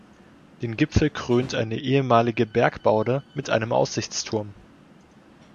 Den Gipfel krönt eine ehemalige Bergbaude mit einem Aussichtsturm.